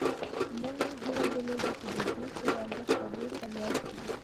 موږ هیله درلوده چې د دې کور ارزښت به بیرته لوړ شي